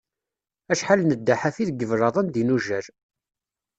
Acḥal nedda ḥafi deg iblaḍen d inujal.